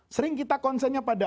sering kita konsernya pada